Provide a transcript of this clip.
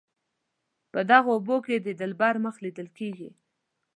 په دغو اوبو کې د دلبر مخ لیدل کیږي.